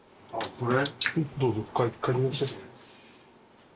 これ。